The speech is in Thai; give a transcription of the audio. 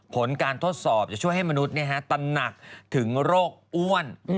ผลการทดสอบจะช่วยให้มนุษย์ตำหนักถึงโรคอ้วน